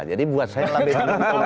jadi buat saya lebih